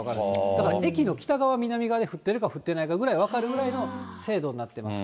だから駅の北側、南側で降っているか降っていないか分かるぐらいの精度になってます。